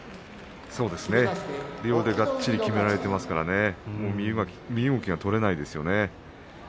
そうですね、両腕がっちりきめられていますから身動きが取れないですよね。